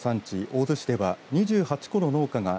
大洲市では２８戸の農家が